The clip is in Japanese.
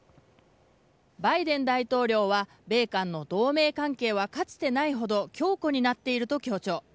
バイデン大統領は米韓の同盟関係はかつてないほど強固になっていると強調。